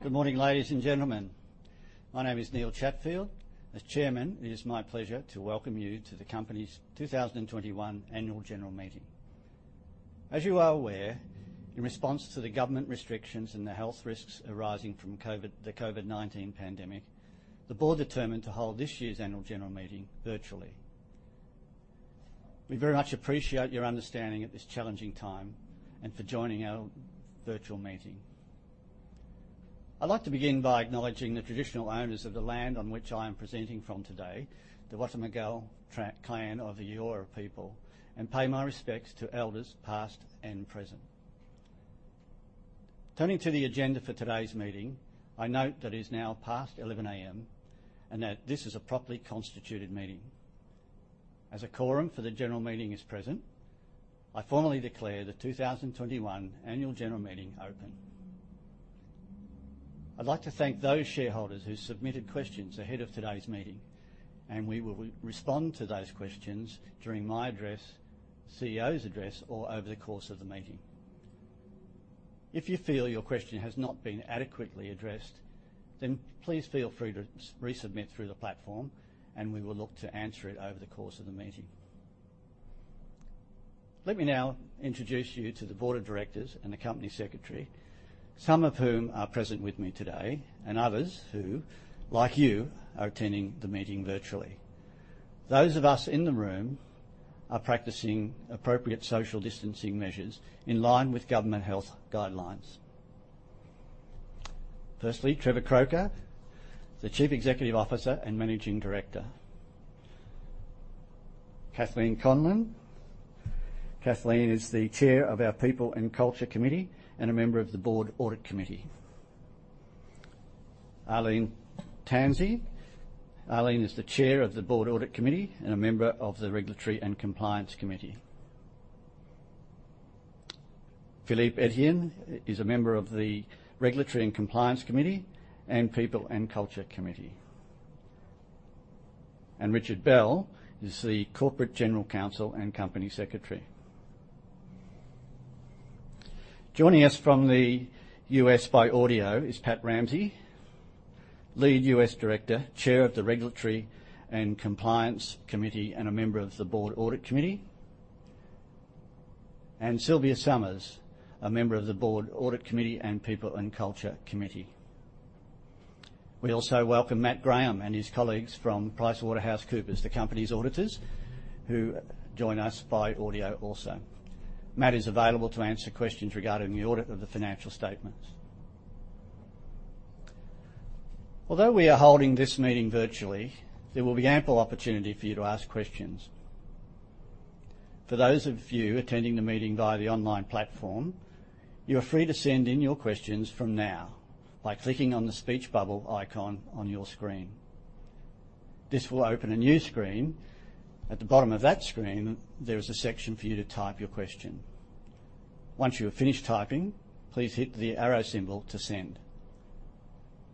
Good morning, ladies and gentlemen. My name is Neil Chatfield. As Chairman, it is my pleasure to welcome you to the company's 2021 Annual General Meeting. As you are aware, in response to the government restrictions and the health risks arising from the COVID-19 pandemic, the board determined to hold this year's Annual General Meeting virtually. We very much appreciate your understanding at this challenging time and for joining our virtual meeting. I'd like to begin by acknowledging the traditional owners of the land on which I am presenting from today, the Wallumettagal Clan of the Eora people, and pay my respects to elders past and present. Turning to the agenda for today's meeting, I note that it is now past 11:00 A.M. and that this is a properly constituted meeting. As a quorum for the General Meeting is present, I formally declare the 2021 Annual General Meeting open. I'd like to thank those shareholders who submitted questions ahead of today's meeting, and we will respond to those questions during my address, CEO's address, or over the course of the meeting. If you feel your question has not been adequately addressed, then please feel free to resubmit through the platform, and we will look to answer it over the course of the meeting. Let me now introduce you to the Board of Directors and the company secretary, some of whom are present with me today and others who, like you, are attending the meeting virtually. Those of us in the room are practicing appropriate social distancing measures in line with government health guidelines. Firstly, Trevor Croker, the Chief Executive Officer and Managing Director. Kathleen Conlon. Kathleen is the Chair of our People and Culture Committee and a member of the Board Audit Committee. Arlene Tansey. Arlene is the Chair of the Board Audit Committee and a member of the Regulatory and Compliance Committee. Philippe Etienne is a member of the Regulatory and Compliance Committee and People and Culture Committee. Richard Bell is the Corporate General Counsel and Company Secretary. Joining us from the U.S. by audio is Pat Ramsey, Lead U.S. Director, Chair of the Regulatory and Compliance Committee and a member of the Board Audit Committee. Sylvia Summers, a member of the Board Audit Committee and People and Culture Committee, is also joining. We also welcome Matt Graham and his colleagues from PricewaterhouseCoopers, the company's auditors, who join us by audio also. Matt is available to answer questions regarding the audit of the financial statements. Although we are holding this meeting virtually, there will be ample opportunity for you to ask questions. For those of you attending the meeting via the online platform, you are free to send in your questions from now by clicking on the speech bubble icon on your screen. This will open a new screen. At the bottom of that screen, there is a section for you to type your question. Once you have finished typing, please hit the arrow symbol to send.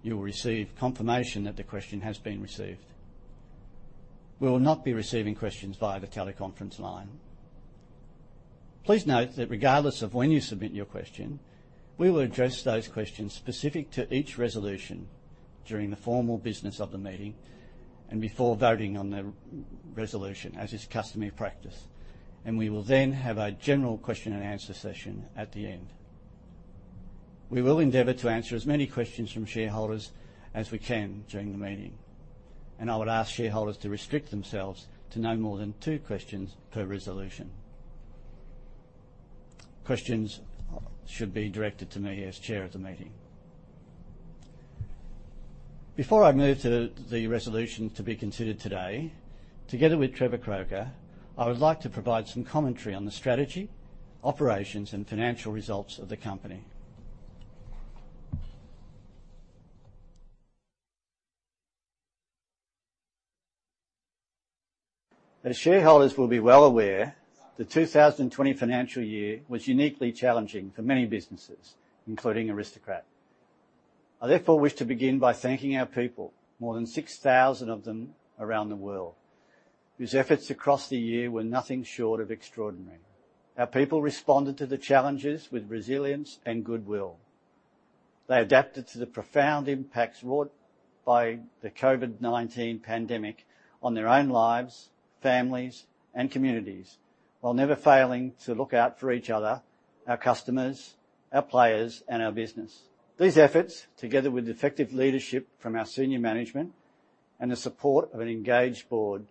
You will receive confirmation that the question has been received. We will not be receiving questions via the teleconference line. Please note that regardless of when you submit your question, we will address those questions specific to each resolution during the formal business of the meeting and before voting on the resolution, as is customary practice. We will then have a general question and answer session at the end. We will endeavour to answer as many questions from shareholders as we can during the meeting, and I would ask shareholders to restrict themselves to no more than two questions per resolution. Questions should be directed to me as Chair of the meeting. Before I move to the resolution to be considered today, together with Trevor Croker, I would like to provide some commentary on the strategy, operations, and financial results of the company. As shareholders will be well aware, the 2020 financial year was uniquely challenging for many businesses, including Aristocrat. I therefore wish to begin by thanking our people, more than 6,000 of them around the world, whose efforts across the year were nothing short of extraordinary. Our people responded to the challenges with resilience and goodwill. They adapted to the profound impacts brought by the COVID-19 pandemic on their own lives, families, and communities, while never failing to look out for each other, our customers, our players, and our business. These efforts, together with effective leadership from our senior management and the support of an engaged board,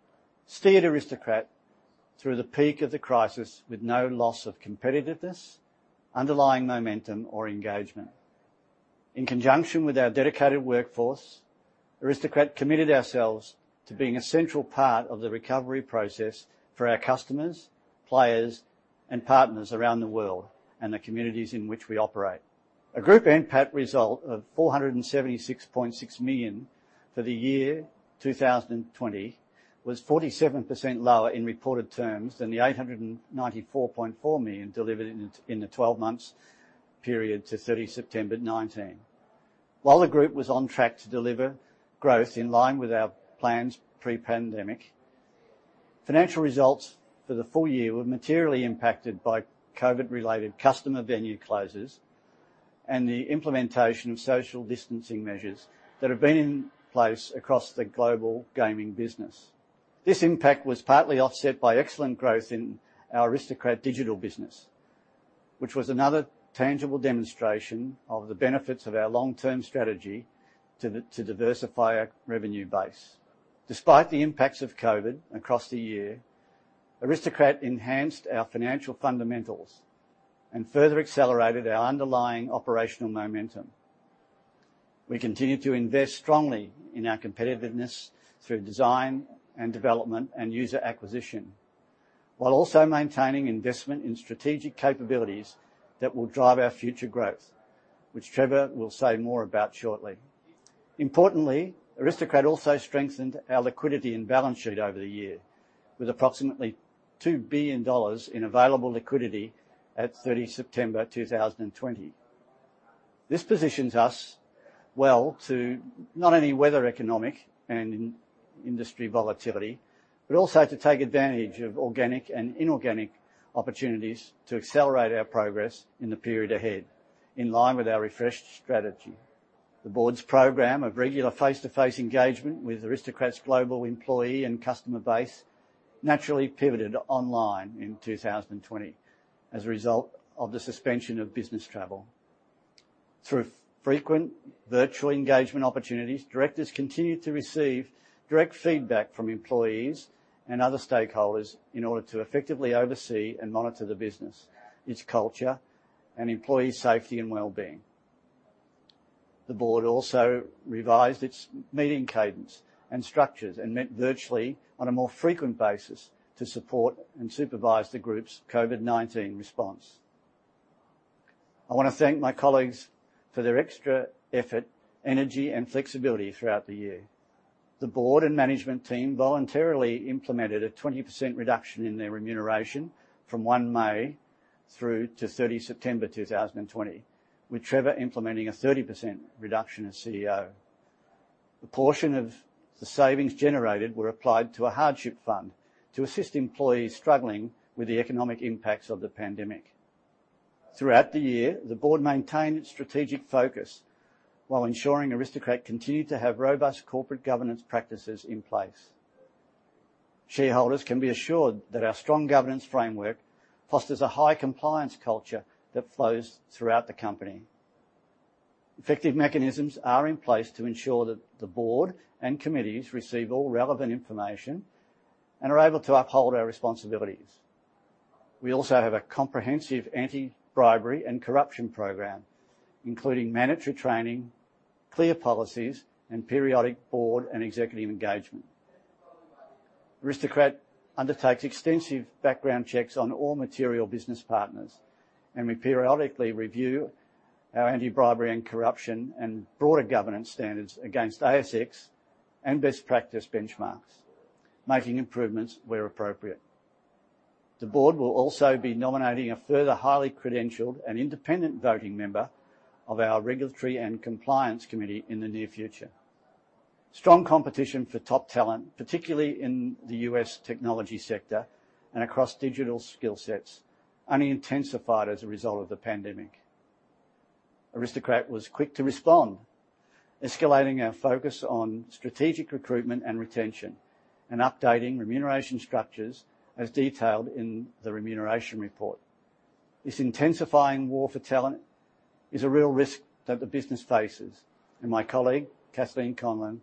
steered Aristocrat through the peak of the crisis with no loss of competitiveness, underlying momentum, or engagement. In conjunction with our dedicated workforce, Aristocrat committed ourselves to being a central part of the recovery process for our customers, players, and partners around the world and the communities in which we operate. A Group and PAT result of 476.6 million for the year 2020 was 47% lower in reported terms than the 894.4 million delivered in the 12-month period to 30 September 2019. While the Group was on track to deliver growth in line with our plans pre-pandemic, financial results for the full year were materially impacted by COVID-related customer venue closures and the implementation of social distancing measures that have been in place across the global gaming business. This impact was partly offset by excellent growth in our Aristocrat Digital business, which was another tangible demonstration of the benefits of our long-term strategy to diversify our revenue base. Despite the impacts of COVID across the year, Aristocrat enhanced our financial fundamentals and further accelerated our underlying operational momentum. We continue to invest strongly in our competitiveness through design and development and user acquisition, while also maintaining investment in strategic capabilities that will drive our future growth, which Trevor will say more about shortly. Importantly, Aristocrat also strengthened our liquidity and balance sheet over the year, with approximately 2 billion dollars in available liquidity at 30 September 2020. This positions us well to not only weather economic and industry volatility, but also to take advantage of organic and inorganic opportunities to accelerate our progress in the period ahead, in line with our refreshed strategy. The board's program of regular face-to-face engagement with Aristocrat's global employee and customer base naturally pivoted online in 2020 as a result of the suspension of business travel. Through frequent virtual engagement opportunities, directors continue to receive direct feedback from employees and other stakeholders in order to effectively oversee and monitor the business, its culture, and employee safety and wellbeing. The board also revised its meeting cadence and structures and met virtually on a more frequent basis to support and supervise the Group's COVID-19 response. I want to thank my colleagues for their extra effort, energy, and flexibility throughout the year. The board and management team voluntarily implemented a 20% reduction in their remuneration from 1 May through to 30 September 2020, with Trevor implementing a 30% reduction as CEO. A portion of the savings generated were applied to a hardship fund to assist employees struggling with the economic impacts of the pandemic. Throughout the year, the board maintained its strategic focus while ensuring Aristocrat continued to have robust corporate governance practices in place. Shareholders can be assured that our strong governance framework fosters a high compliance culture that flows throughout the company. Effective mechanisms are in place to ensure that the board and committees receive all relevant information and are able to uphold our responsibilities. We also have a comprehensive Anti-Bribery and Corruption Program, including mandatory training, clear policies, and periodic board and executive engagement. Aristocrat undertakes extensive background checks on all material business partners and we periodically review our anti-bribery and corruption and broader governance standards against ASX and best practice benchmarks, making improvements where appropriate. The board will also be nominating a further highly credentialed and independent voting member of our Regulatory and Compliance Committee in the near future. Strong competition for top talent, particularly in the U.S. technology sector and across digital skill sets, only intensified as a result of the pandemic. Aristocrat was quick to respond, escalating our focus on strategic recruitment and retention and updating remuneration structures as detailed in the remuneration report. This intensifying war for talent is a real risk that the business faces, and my colleague, Kathleen Conlon,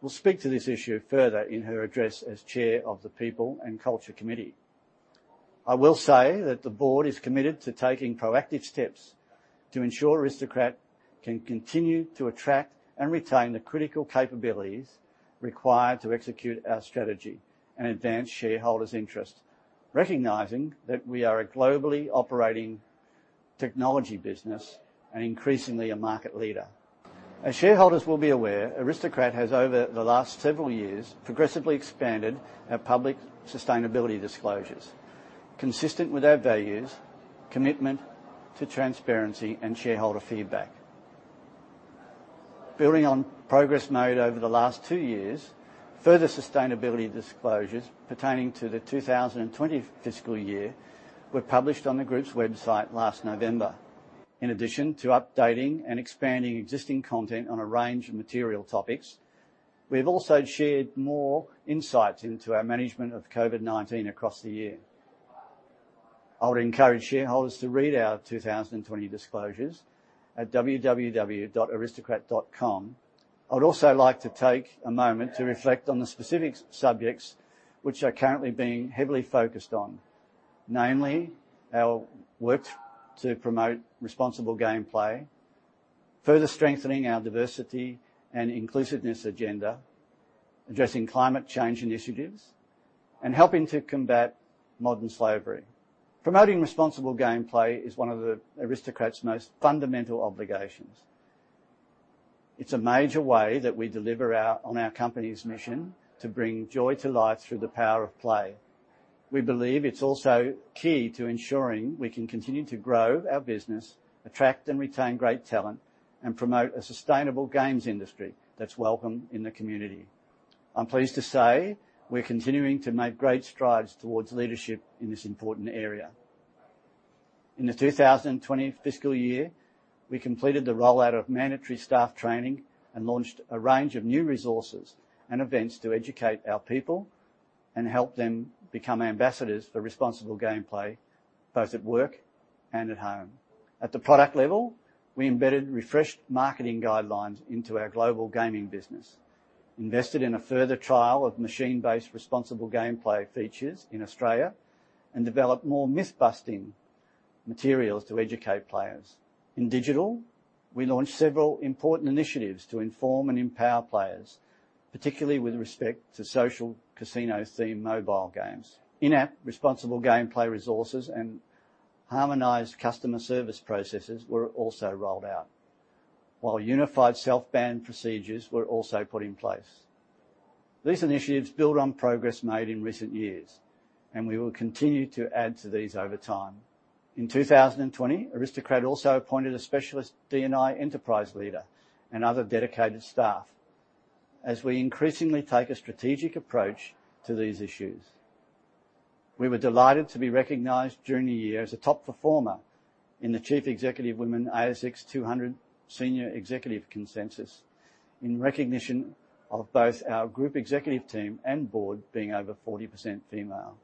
will speak to this issue further in her address as Chair of the People and Culture Committee. I will say that the board is committed to taking proactive steps to ensure Aristocrat can continue to attract and retain the critical capabilities required to execute our strategy and advance shareholders' interests, recognizing that we are a globally operating technology business and increasingly a market leader. As shareholders will be aware, Aristocrat has over the last several years progressively expanded our public sustainability disclosures, consistent with our values, commitment to transparency, and shareholder feedback. Building on progress made over the last two years, further sustainability disclosures pertaining to the 2020 fiscal year were published on the Group's website last November. In addition to updating and expanding existing content on a range of material topics, we have also shared more insights into our management of COVID-19 across the year. I would encourage shareholders to read our 2020 disclosures at www.aristocrat.com. I would also like to take a moment to reflect on the specific subjects which are currently being heavily focused on, namely our work to promote responsible gameplay, further strengthening our diversity and inclusiveness agenda, addressing climate change initiatives, and helping to combat modern slavery. Promoting responsible gameplay is one of Aristocrat's most fundamental obligations. It's a major way that we deliver on our company's mission to bring joy to life through the power of play. We believe it's also key to ensuring we can continue to grow our business, attract and retain great talent, and promote a sustainable games industry that's welcome in the community. I'm pleased to say we're continuing to make great strides towards leadership in this important area. In the 2020 fiscal year, we completed the rollout of mandatory staff training and launched a range of new resources and events to educate our people and help them become ambassadors for responsible gameplay, both at work and at home. At the product level, we embedded refreshed marketing guidelines into our global gaming business, invested in a further trial of machine-based responsible gameplay features in Australia, and developed more myth-busting materials to educate players. In digital, we launched several important initiatives to inform and empower players, particularly with respect to social casino-themed mobile games. In-app responsible gameplay resources and harmonized customer service processes were also rolled out, while unified self-ban procedures were also put in place. These initiatives build on progress made in recent years, and we will continue to add to these over time. In 2020, Aristocrat also appointed a specialist D&I enterprise leader and other dedicated staff as we increasingly take a strategic approach to these issues. We were delighted to be recognised during the year as a top performer in the Chief Executive Women ASX 200 Senior Executive Census, in recognition of both our Group Executive Team and Board being over 40% female.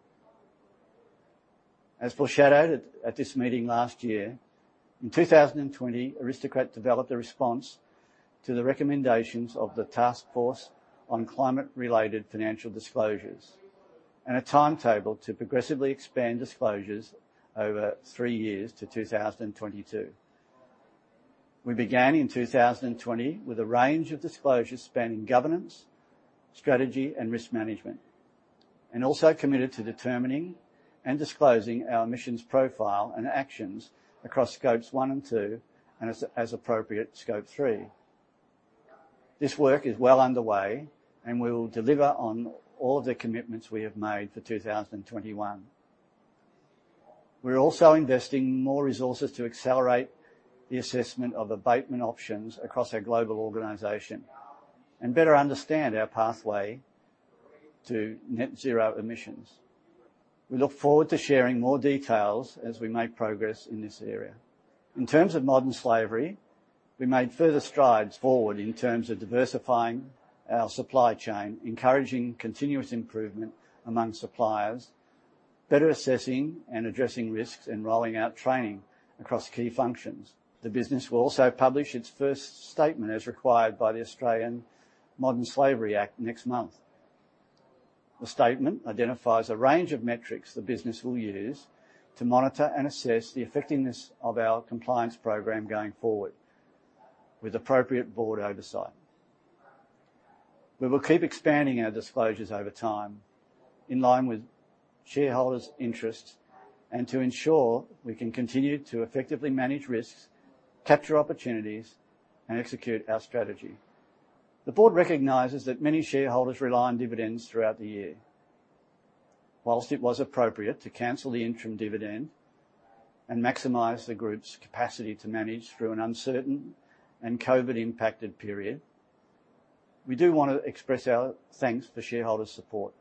As foreshadowed at this meeting last year, in 2020, Aristocrat developed a response to the recommendations of the Task Force on Climate-Related Financial Disclosures and a timetable to progressively expand disclosures over three years to 2022. We began in 2020 with a range of disclosures spanning governance, strategy, and risk management, and also committed to determining and disclosing our mission's profile and actions across Scopes 1 and 2, and as appropriate, Scope 3. This work is well underway, and we will deliver on all of the commitments we have made for 2021. We're also investing more resources to accelerate the assessment of abatement options across our global organization and better understand our pathway to net-zero emissions. We look forward to sharing more details as we make progress in this area. In terms of modern slavery, we made further strides forward in terms of diversifying our supply chain, encouraging continuous improvement among suppliers, better assessing and addressing risks, and rolling out training across key functions. The business will also publish its first statement, as required by the Australian Modern Slavery Act, next month. The statement identifies a range of metrics the business will use to monitor and assess the effectiveness of our compliance program going forward, with appropriate board oversight. We will keep expanding our disclosures over time in line with shareholders' interests and to ensure we can continue to effectively manage risks, capture opportunities, and execute our strategy. The board recognizes that many shareholders rely on dividends throughout the year. While it was appropriate to cancel the interim dividend and maximize the Group's capacity to manage through an uncertain and COVID-impacted period, we do want to express our thanks for shareholders' support.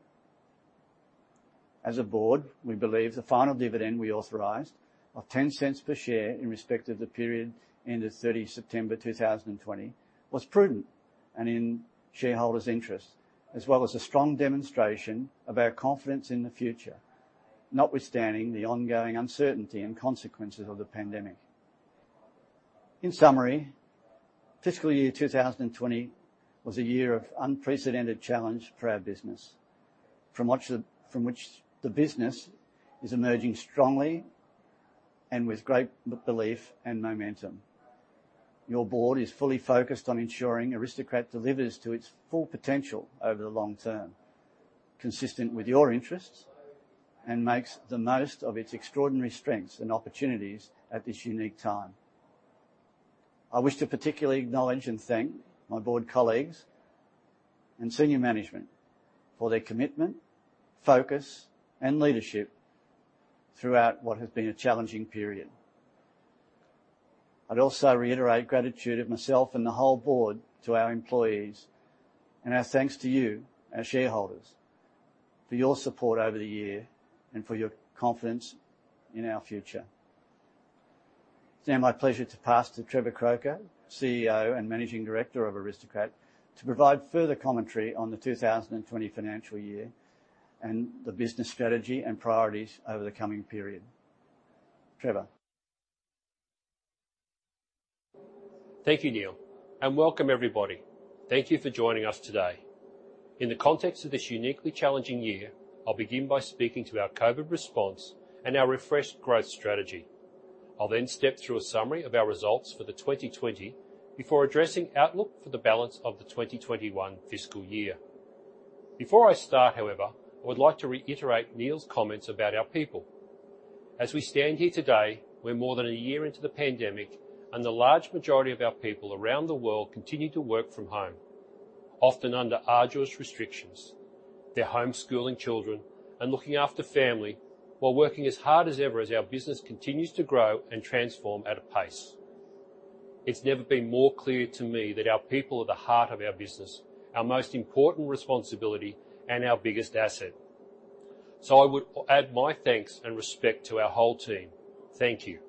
As a board, we believe the final dividend we authorized of 0.10 per share in respect of the period ended 30 September 2020 was prudent and in shareholders' interests, as well as a strong demonstration of our confidence in the future, notwithstanding the ongoing uncertainty and consequences of the pandemic. In summary, fiscal year 2020 was a year of unprecedented challenge for our business, from which the business is emerging strongly and with great belief and momentum. Your board is fully focused on ensuring Aristocrat delivers to its full potential over the long term, consistent with your interests, and makes the most of its extraordinary strengths and opportunities at this unique time. I wish to particularly acknowledge and thank my board colleagues and senior management for their commitment, focus, and leadership throughout what has been a challenging period. I'd also reiterate gratitude of myself and the whole board to our employees and our thanks to you, our shareholders, for your support over the year and for your confidence in our future. It's now my pleasure to pass to Trevor Croker, CEO and Managing Director of Aristocrat, to provide further commentary on the 2020 financial year and the business strategy and priorities over the coming period. Trevor. Thank you, Neil, and welcome, everybody. Thank you for joining us today. In the context of this uniquely challenging year, I'll begin by speaking to our COVID response and our refreshed growth strategy. I'll then step through a summary of our results for 2020 before addressing outlook for the balance of the 2021 fiscal year. Before I start, however, I would like to reiterate Neil's comments about our people. As we stand here today, we're more than a year into the pandemic, and the large majority of our people around the world continue to work from home, often under arduous restrictions. They're homeschooling children and looking after family while working as hard as ever as our business continues to grow and transform at a pace. It's never been more clear to me that our people are the heart of our business, our most important responsibility, and our biggest asset. I would add my thanks and respect to our whole team. Thank you.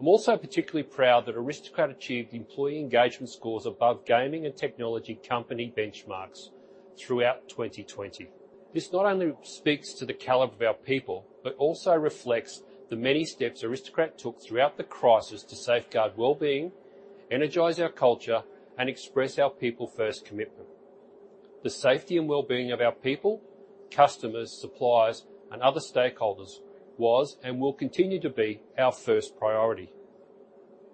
I'm also particularly proud that Aristocrat achieved employee engagement scores above gaming and technology company benchmarks throughout 2020. This not only speaks to the calibre of our people, but also reflects the many steps Aristocrat took throughout the crisis to safeguard well-being, energise our culture, and express our people-first commitment. The safety and well-being of our people, customers, suppliers, and other stakeholders was and will continue to be our first priority.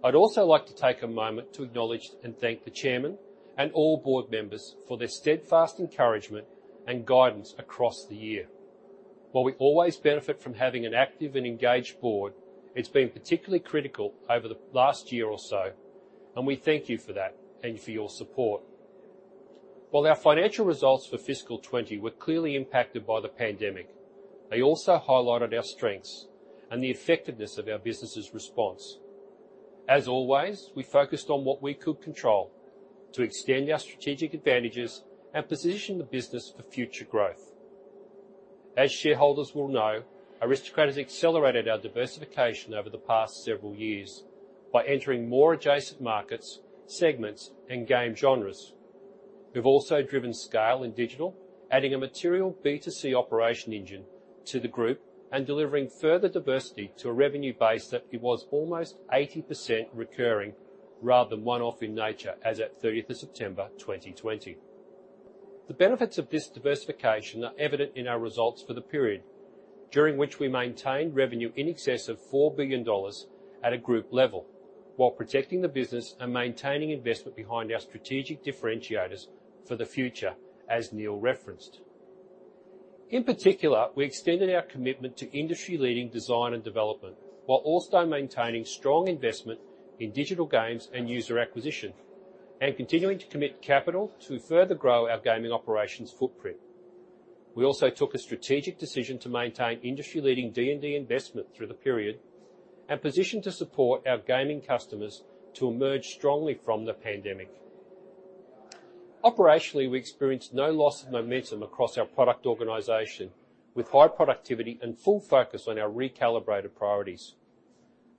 I'd also like to take a moment to acknowledge and thank the Chairman and all Board members for their steadfast encouragement and guidance across the year. While we always benefit from having an active and engaged board, it's been particularly critical over the last year or so, and we thank you for that and for your support. While our financial results for fiscal 2020 were clearly impacted by the pandemic, they also highlighted our strengths and the effectiveness of our business's response. As always, we focused on what we could control to extend our strategic advantages and position the business for future growth. As shareholders will know, Aristocrat has accelerated our diversification over the past several years by entering more adjacent markets, segments, and game genres. We've also driven scale in digital, adding a material B2C operation engine to the Group and delivering further diversity to a revenue base that was almost 80% recurring rather than one-off in nature as at 30 September 2020. The benefits of this diversification are evident in our results for the period during which we maintained revenue in excess of 4 billion dollars at a Group level while protecting the business and maintaining investment behind our strategic differentiators for the future, as Neil referenced. In particular, we extended our commitment to industry-leading design and development while also maintaining strong investment in digital games and user acquisition and continuing to commit capital to further grow our gaming operations footprint. We also took a strategic decision to maintain industry-leading D&D investment through the period and positioned to support our Gaming customers to emerge strongly from the pandemic. Operationally, we experienced no loss of momentum across our product organization, with high productivity and full focus on our recalibrated priorities.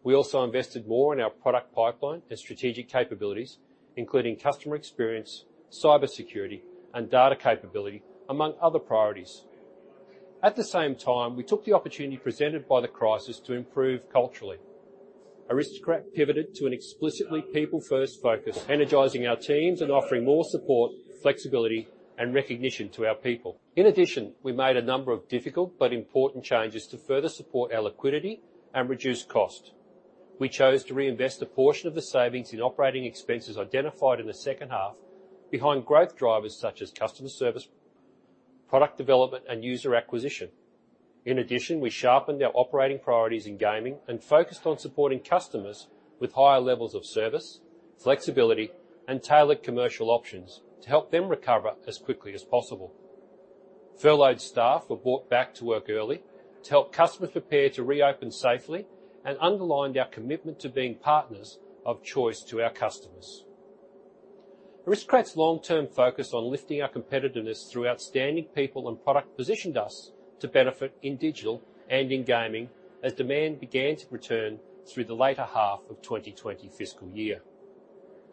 We also invested more in our product pipeline and strategic capabilities, including customer experience, cybersecurity, and data capability, among other priorities. At the same time, we took the opportunity presented by the crisis to improve culturally. Aristocrat pivoted to an explicitly people-first focus, energizing our teams and offering more support, flexibility, and recognition to our people. In addition, we made a number of difficult but important changes to further support our liquidity and reduce cost. We chose to reinvest a portion of the savings in operating expenses identified in the second half behind growth drivers such as customer service, product development, and user acquisition. In addition, we sharpened our operating priorities in Gaming and focused on supporting customers with higher levels of service, flexibility, and tailored commercial options to help them recover as quickly as possible. Furloughed staff were brought back to work early to help customers prepare to reopen safely and underlined our commitment to being partners of choice to our customers. Aristocrat's long-term focus on lifting our competitiveness through outstanding people and product positioned us to benefit in Digital and in Gaming as demand began to return through the later half of 2020 fiscal year.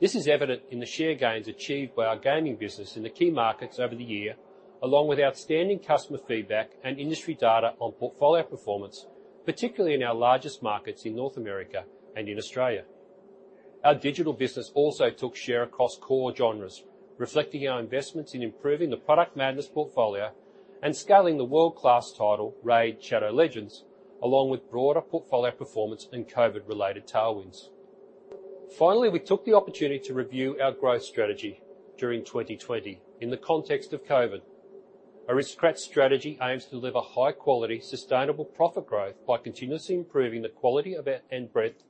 This is evident in the share gains achieved by our Gaming business in the key markets over the year, along with outstanding customer feedback and industry data on portfolio performance, particularly in our largest markets in North America and in Australia. Our Digital business also took share across core genres, reflecting our investments in improving the Product Madness portfolio and scaling the world-class title Raid: Shadow Legends, along with broader portfolio performance and COVID-related tailwinds. Finally, we took the opportunity to review our growth strategy during 2020 in the context of COVID. Aristocrat's strategy aims to deliver high-quality, sustainable profit growth by continuously improving the quality and breadth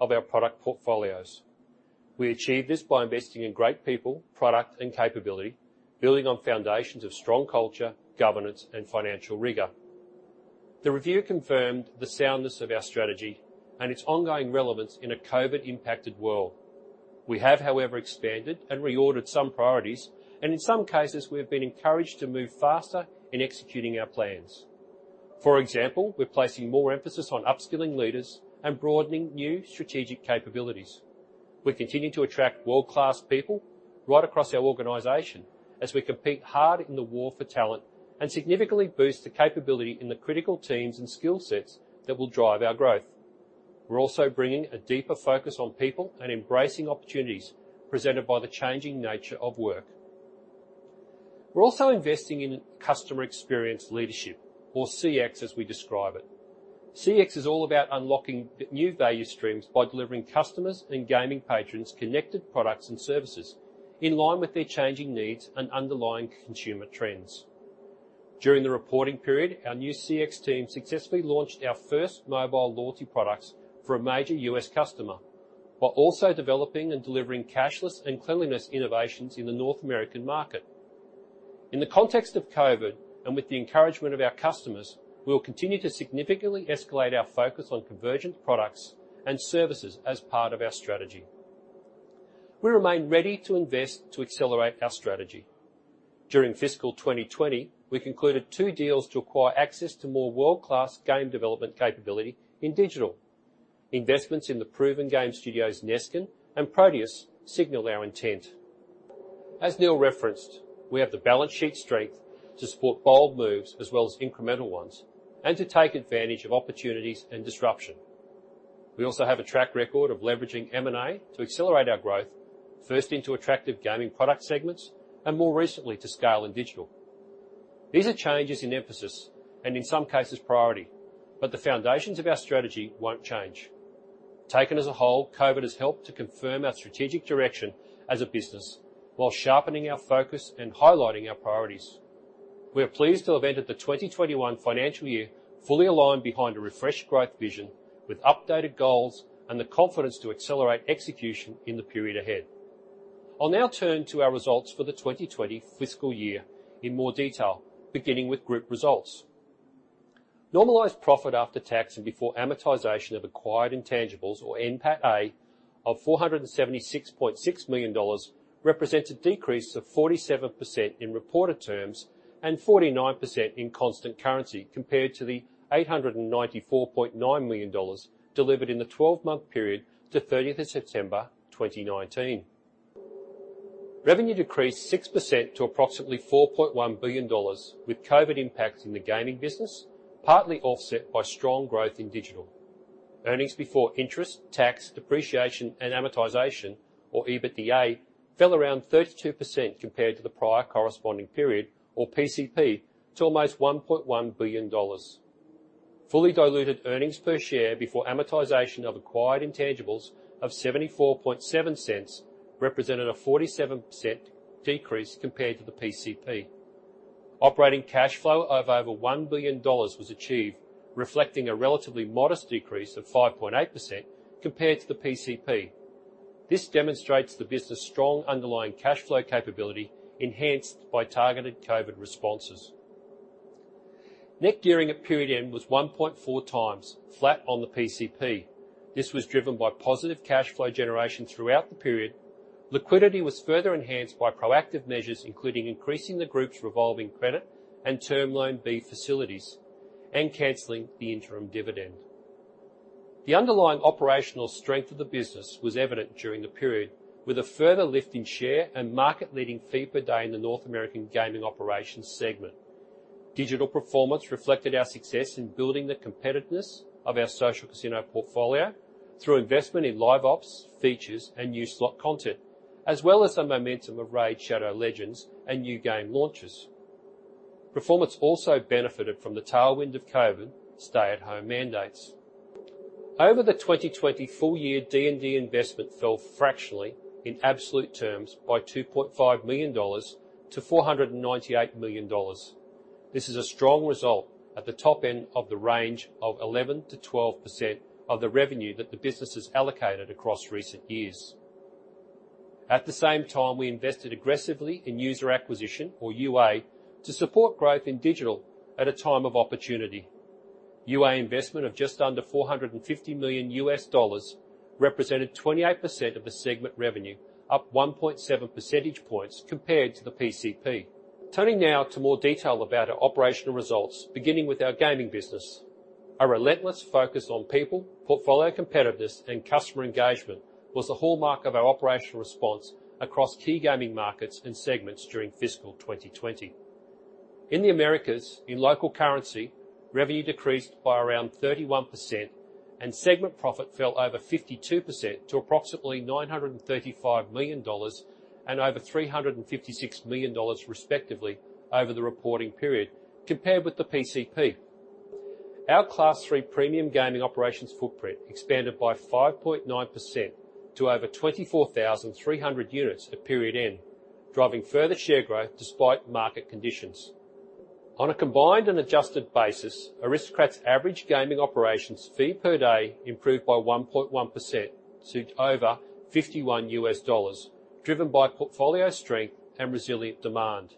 of our product portfolios. We achieved this by investing in great people, product, and capability, building on foundations of strong culture, governance, and financial rigor. The review confirmed the soundness of our strategy and its ongoing relevance in a COVID-impacted world. We have, however, expanded and reordered some priorities, and in some cases, we have been encouraged to move faster in executing our plans. For example, we're placing more emphasis on upskilling leaders and broadening new strategic capabilities. We continue to attract world-class people right across our organization as we compete hard in the war for talent and significantly boost the capability in the critical teams and skill sets that will drive our growth. We're also bringing a deeper focus on people and embracing opportunities presented by the changing nature of work. We're also investing in Customer Experience leadership, or CX, as we describe it. CX is all about unlocking new value streams by delivering customers and gaming patrons connected products and services in line with their changing needs and underlying consumer trends. During the reporting period, our new CX team successfully launched our first mobile loyalty products for a major U.S. customer, while also developing and delivering cashless and cleanliness innovations in the North American market. In the context of COVID and with the encouragement of our customers, we will continue to significantly escalate our focus on convergent products and services as part of our strategy. We remain ready to invest to accelerate our strategy. During fiscal 2020, we concluded two deals to acquire access to more world-class game development capability in Digital. Investments in the proven game studios Neskin and Proteus signal our intent. As Neil referenced, we have the balance sheet strength to support bold moves as well as incremental ones and to take advantage of opportunities and disruption. We also have a track record of leveraging M&A to accelerate our growth, first into attractive gaming product segments and more recently to scale in digital. These are changes in emphasis and, in some cases, priority, but the foundations of our strategy will not change. Taken as a whole, COVID has helped to confirm our strategic direction as a business while sharpening our focus and highlighting our priorities. We are pleased to have entered the 2021 financial year fully aligned behind a refreshed growth vision with updated goals and the confidence to accelerate execution in the period ahead. I'll now turn to our results for the 2020 fiscal year in more detail, beginning with Group results. Normalised profit after tax and before amortisation of acquired intangibles, or NPATA, of AUD 476.6 million represents a decrease of 47% in reported terms and 49% in constant currency compared to the 894.9 million dollars delivered in the 12-month period to 30 September 2019. Revenue decreased 6% to approximately 4.1 billion dollars, with COVID impacts in the Gaming business partly offset by strong growth in Digital. Earnings before interest, tax, depreciation, and amortization, or EBITDA, fell around 32% compared to the prior corresponding period, or PCP, to almost 1.1 billion dollars. Fully diluted earnings per share before amortization of acquired intangibles of 0.747 represented a 47% decrease compared to the PCP. Operating cash flow of over 1 billion dollars was achieved, reflecting a relatively modest decrease of 5.8% compared to the PCP. This demonstrates the business's strong underlying cash flow capability enhanced by targeted COVID responses. Net gearing at period end was 1.4x, flat on the PCP. This was driven by positive cash flow generation throughout the period. Liquidity was further enhanced by proactive measures, including increasing the Group's revolving credit and term loan B facilities and cancelling the interim dividend. The underlying operational strength of the business was evident during the period, with a further lift in share and market-leading fee per day in the North American gaming operations segment. Digital performance reflected our success in building the competitiveness of our social casino portfolio through investment in live ops, features, and new slot content, as well as the momentum of Raid: Shadow Legends and new game launches. Performance also benefited from the tailwind of COVID stay-at-home mandates. Over the 2020 full year, D&D investment fell fractionally in absolute terms by 2.5 million dollars to 498 million dollars. This is a strong result at the top end of the range of 11%-12% of the revenue that the business has allocated across recent years. At the same time, we invested aggressively in user acquisition, or UA, to support growth in Digital at a time of opportunity. UA investment of just under $450 million represented 28% of the segment revenue, up 1.7 percentage points compared to the PCP. Turning now to more detail about our operational results, beginning with our gaming business. A relentless focus on people, portfolio competitiveness, and customer engagement was the hallmark of our operational response across key gaming markets and segments during fiscal 2020. In the Americas, in local currency, revenue decreased by around 31%, and segment profit fell over 52% to approximately $935 million and over $356 million, respectively, over the reporting period compared with the PCP. Our Class III Premium Gaming operations footprint expanded by 5.9% to over 24,300 units at period end, driving further share growth despite market conditions. On a combined and adjusted basis, Aristocrat's average gaming operations fee per day improved by 1.1% to over $51, driven by portfolio strength and resilient demand.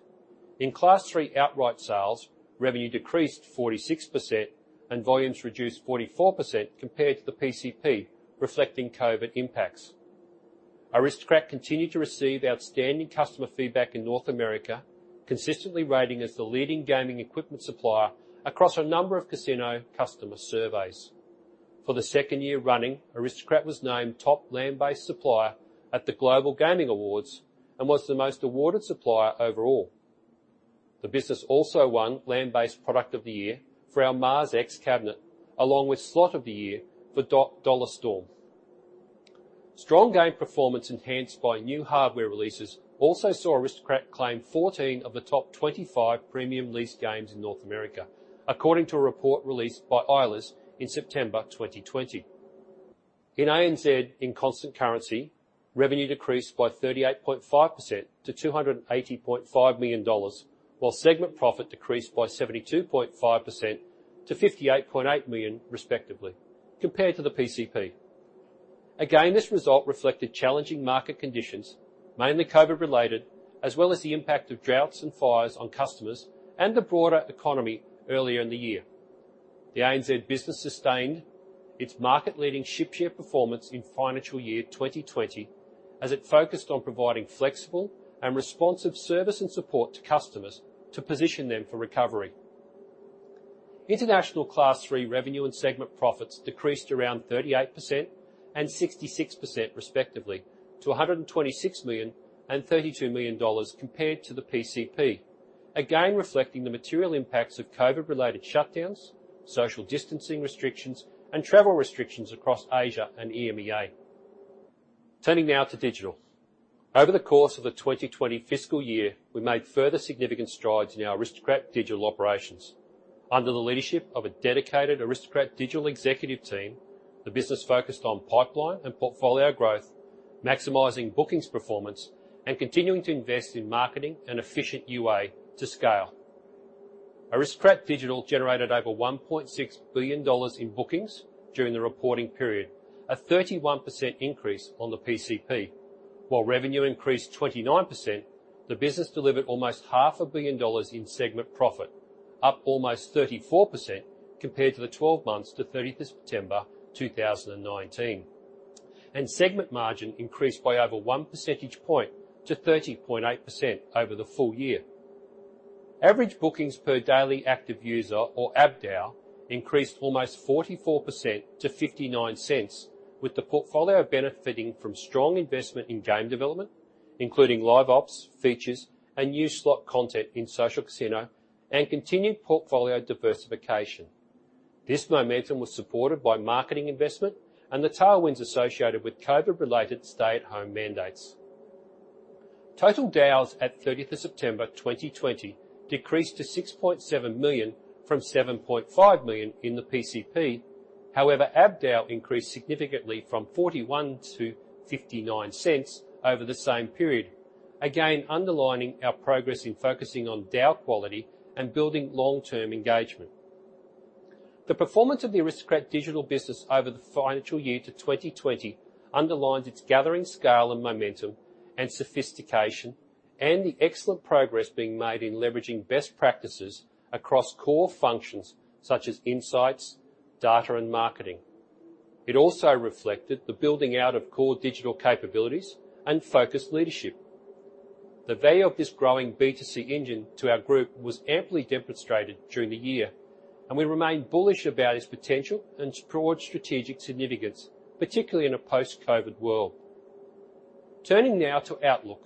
In Class III outright sales, revenue decreased 46% and volumes reduced 44% compared to the PCP, reflecting COVID impacts. Aristocrat continued to receive outstanding customer feedback in North America, consistently rating as the leading gaming equipment supplier across a number of casino customer surveys. For the second year running, Aristocrat was named top land-based supplier at the Global Gaming Awards and was the most awarded supplier overall. The business also won Land-Based Product of the Year for our MarsX cabinet, along with Slot of the Year for Dollar Storm. Strong game performance enhanced by new hardware releases also saw Aristocrat claim 14 of the top 25 premium leased games in North America, according to a report released by Eilers in September 2020. In ANZ, in constant currency, revenue decreased by 38.5% to 280.5 million dollars, while segment profit decreased by 72.5% to 58.8 million, respectively, compared to the PCP. Again, this result reflected challenging market conditions, mainly COVID-related, as well as the impact of droughts and fires on customers and the broader economy earlier in the year. The ANZ business sustained its market-leading ship-share performance in financial year 2020 as it focused on providing flexible and responsive service and support to customers to position them for recovery. International Class III revenue and segment profits decreased around 38% and 66%, respectively, to 126 million and 32 million dollars compared to the PCP, again reflecting the material impacts of COVID-related shutdowns, social distancing restrictions, and travel restrictions across Asia and EMEA. Turning now to Digital. Over the course of the 2020 fiscal year, we made further significant strides in our Aristocrat Digital operations. Under the leadership of a dedicated Aristocrat Digital executive team, the business focused on pipeline and portfolio growth, maximizing bookings performance and continuing to invest in marketing and efficient UA to scale. Aristocrat Digital generated over $1.6 billion in bookings during the reporting period, a 31% increase on the PCP. While revenue increased 29%, the business delivered almost 500 million dollars in segment profit, up almost 34% compared to the 12 months to 30 September 2019. Segment margin increased by over one percentage point to 30.8% over the full year. Average bookings per daily active user, or ABDAU, increased almost 44% to 0.59, with the portfolio benefiting from strong investment in game development, including live ops, features, and new slot content in social casino, and continued portfolio diversification. This momentum was supported by marketing investment and the tailwinds associated with COVID-related stay-at-home mandates. Total DAUs at 30 September 2020 decreased to 6.7 million from 7.5 million in the PCP; however, ABDAU increased significantly from 0.41 to 0.59 over the same period, again underlining our progress in focusing on DAU quality and building long-term engagement. The performance of the Aristocrat Digital business over the financial year to 2020 underlines its gathering scale and momentum and sophistication, and the excellent progress being made in leveraging best practices across core functions such as insights, data, and marketing. It also reflected the building out of core digital capabilities and focused leadership. The value of this growing B2C engine to our Group was amply demonstrated during the year, and we remain bullish about its potential and broad strategic significance, particularly in a post-COVID world. Turning now to outlook.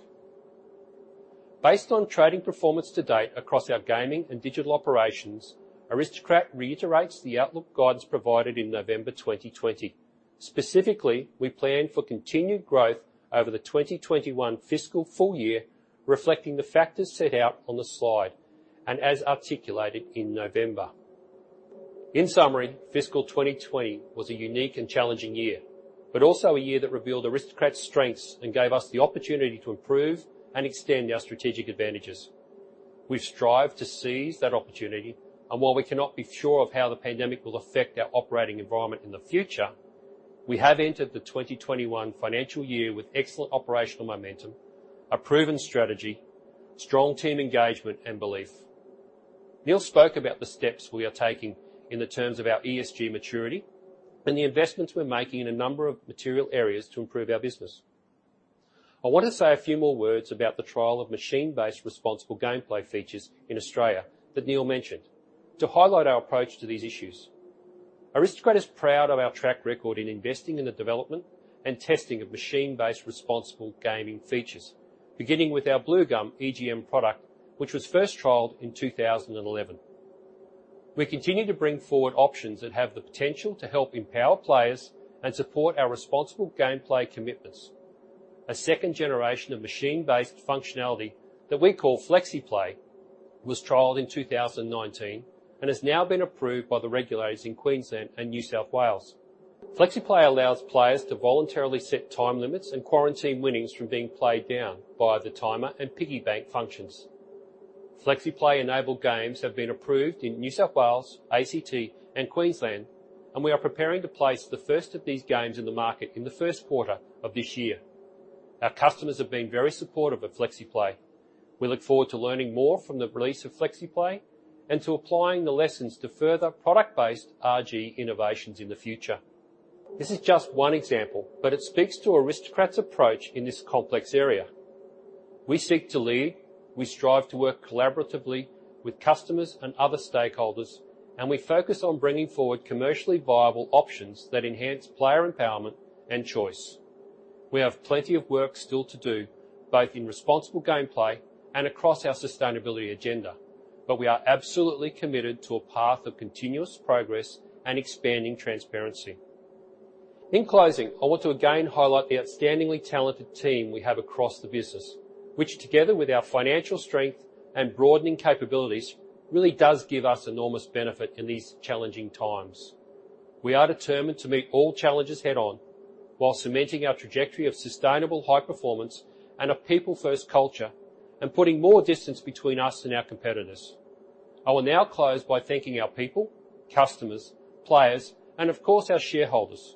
Based on trading performance to date across our Gaming and Digital operations, Aristocrat reiterates the outlook guidance provided in November 2020. Specifically, we plan for continued growth over the 2021 fiscal full year, reflecting the factors set out on the slide and as articulated in November. In summary, fiscal 2020 was a unique and challenging year, but also a year that revealed Aristocrat's strengths and gave us the opportunity to improve and extend our strategic advantages. We've strived to seize that opportunity, and while we cannot be sure of how the pandemic will affect our operating environment in the future, we have entered the 2021 financial year with excellent operational momentum, a proven strategy, strong team engagement, and belief. Neil spoke about the steps we are taking in the terms of our ESG maturity and the investments we're making in a number of material areas to improve our business. I want to say a few more words about the trial of machine-based responsible gameplay features in Australia that Neil mentioned, to highlight our approach to these issues. Aristocrat is proud of our track record in investing in the development and testing of machine-based responsible gaming features, beginning with our Blue Gum EGM product, which was first trialed in 2011. We continue to bring forward options that have the potential to help empower players and support our responsible gameplay commitments. A second generation of machine-based functionality that we call Flexi Play was trialed in 2019 and has now been approved by the regulators in Queensland and New South Wales. Flexi Play allows players to voluntarily set time limits and quarantine winnings from being played down by the timer and piggy bank functions. Flexi Play-enabled games have been approved in New South Wales, ACT, and Queensland, and we are preparing to place the first of these games in the market in the first quarter of this year. Our customers have been very supportive of Flexi Play. We look forward to learning more from the release of Flexi Play and to applying the lessons to further product-based RG innovations in the future. This is just one example, but it speaks to Aristocrat's approach in this complex area. We seek to lead; we strive to work collaboratively with customers and other stakeholders, and we focus on bringing forward commercially viable options that enhance player empowerment and choice. We have plenty of work still to do, both in responsible gameplay and across our sustainability agenda, but we are absolutely committed to a path of continuous progress and expanding transparency. In closing, I want to again highlight the outstandingly talented team we have across the business, which, together with our financial strength and broadening capabilities, really does give us enormous benefit in these challenging times. We are determined to meet all challenges head-on while cementing our trajectory of sustainable high performance and a people-first culture and putting more distance between us and our competitors. I will now close by thanking our people, customers, players, and of course, our shareholders.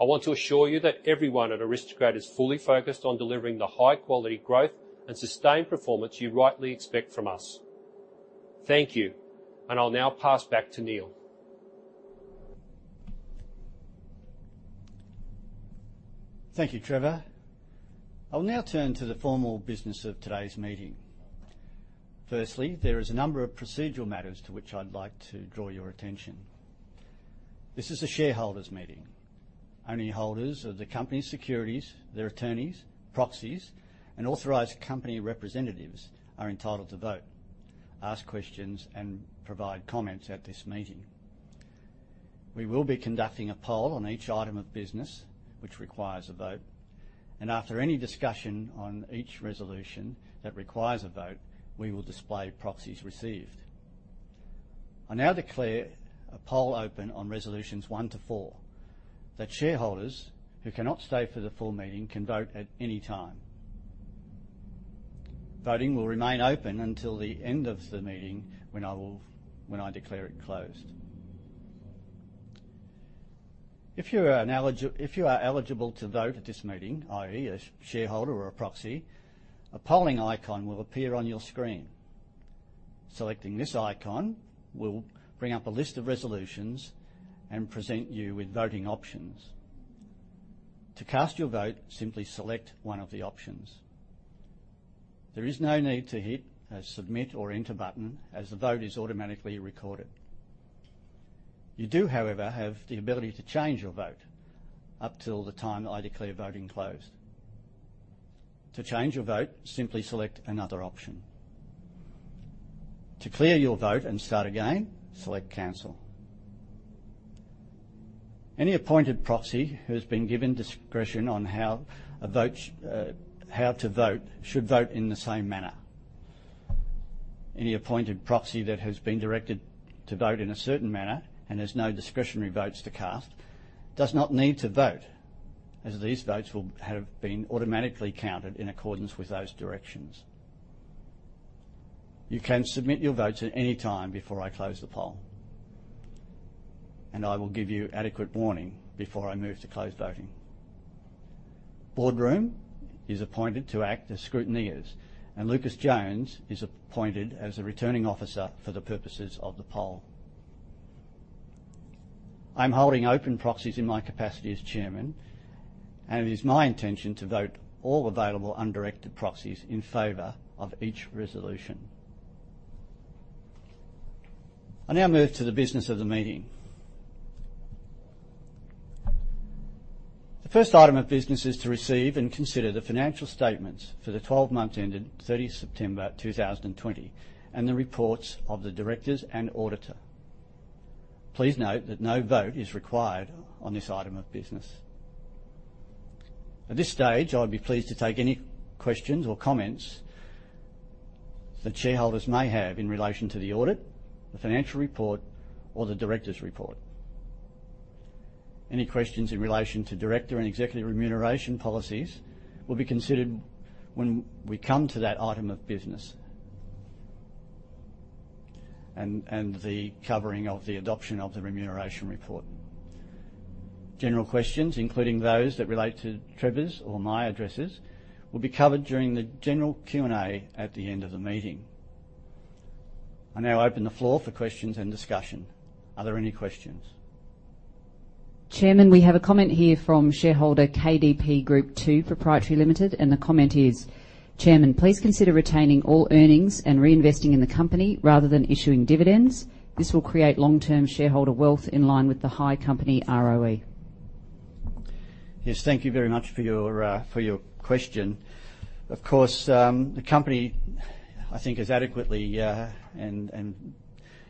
I want to assure you that everyone at Aristocrat is fully focused on delivering the high-quality growth and sustained performance you rightly expect from us. Thank you, and I'll now pass back to Neil. Thank you, Trevor. I'll now turn to the formal business of today's meeting. Firstly, there is a number of procedural matters to which I'd like to draw your attention. This is a shareholders' meeting. Only holders of the company's securities, their attorneys, proxies, and authorized company representatives are entitled to vote, ask questions, and provide comments at this meeting. We will be conducting a poll on each item of business, which requires a vote, and after any discussion on each resolution that requires a vote, we will display proxies received. I now declare a poll open on resolutions one to four. That shareholders who cannot stay for the full meeting can vote at any time. Voting will remain open until the end of the meeting when I declare it closed. If you are eligible to vote at this meeting, i.e., a shareholder or a proxy, a polling icon will appear on your screen. Selecting this icon will bring up a list of resolutions and present you with voting options. To cast your vote, simply select one of the options. There is no need to hit a submit or enter button, as the vote is automatically recorded. You do, however, have the ability to change your vote up till the time I declare voting closed. To change your vote, simply select another option. To clear your vote and start again, select cancel. Any appointed proxy who has been given discretion on how to vote should vote in the same manner. Any appointed proxy that has been directed to vote in a certain manner and has no discretionary votes to cast does not need to vote, as these votes will have been automatically counted in accordance with those directions. You can submit your votes at any time before I close the poll, and I will give you adequate warning before I move to close voting. Boardroom is appointed to act as scrutineers, and Lucas Jones is appointed as a returning officer for the purposes of the poll. I'm holding open proxies in my capacity as Chairman, and it is my intention to vote all available undirected proxies in favor of each resolution. I now move to the business of the meeting. The first item of business is to receive and consider the financial statements for the 12-month ended 30 September 2020 and the reports of the directors and auditor. Please note that no vote is required on this item of business. At this stage, I would be pleased to take any questions or comments that shareholders may have in relation to the audit, the Financial Report, or the Directors' Report. Any questions in relation to director and executive remuneration policies will be considered when we come to that item of business and the covering of the adoption of the remuneration report. General questions, including those that relate to Trevor's or my addresses, will be covered during the general Q&A at the end of the meeting. I now open the floor for questions and discussion. Are there any questions? Chairman, we have a comment here from shareholder KDP Group 2 Pty Ltd, and the comment is, "Chairman, please consider retaining all earnings and reinvesting in the company rather than issuing dividends. This will create long-term shareholder wealth in line with the high company ROE." Yes, thank you very much for your question. Of course, the company, I think, is adequately and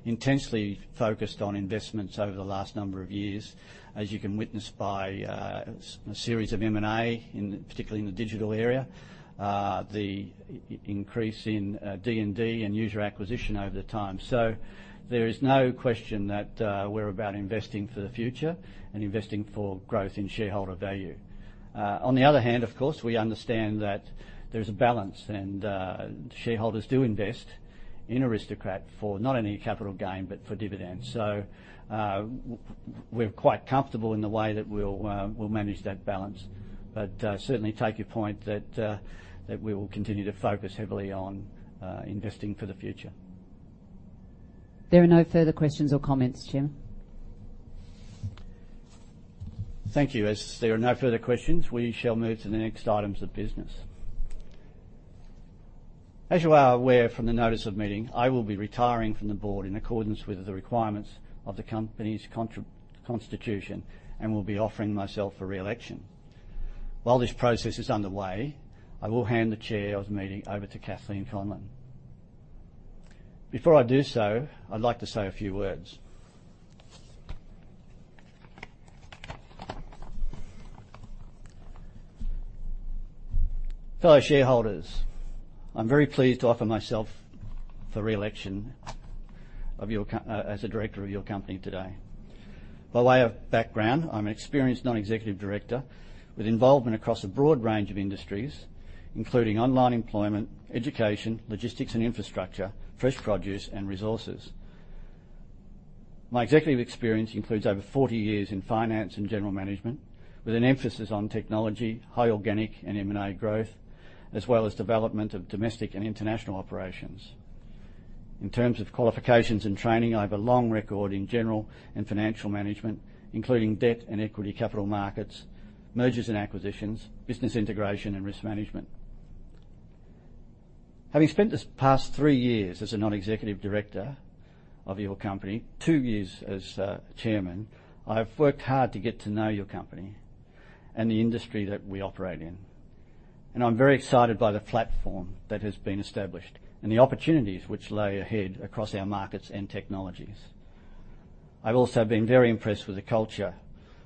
intensely focused on investments over the last number of years, as you can witness by a series of M&A, particularly in the digital area, the increase in D&D and user acquisition over the time. There is no question that we're about investing for the future and investing for growth in shareholder value. On the other hand, of course, we understand that there is a balance, and shareholders do invest in Aristocrat for not only capital gain but for dividends. We are quite comfortable in the way that we will manage that balance. Certainly, take your point that we will continue to focus heavily on investing for the future. There are no further questions or comments, Chairman. Thank you. As there are no further questions, we shall move to the next items of business. As you are aware from the notice of meeting, I will be retiring from the board in accordance with the requirements of the company's constitution and will be offering myself for re-election. While this process is underway, I will hand the chair of the meeting over to Kathleen Conlon. Before I do so, I'd like to say a few words. Fellow shareholders, I'm very pleased to offer myself for re-election as a director of your company today. By way of background, I'm an experienced non-executive director with involvement across a broad range of industries, including online employment, education, logistics and infrastructure, fresh produce, and resources. My executive experience includes over 40 years in finance and general management, with an emphasis on technology, high organic and M&A growth, as well as development of domestic and international operations. In terms of qualifications and training, I have a long record in general and financial management, including debt and equity capital markets, mergers and acquisitions, business integration, and risk management. Having spent the past three years as a non-executive director of your company, two years as Chairman, I have worked hard to get to know your company and the industry that we operate in. I am very excited by the platform that has been established and the opportunities which lay ahead across our markets and technologies. I have also been very impressed with the culture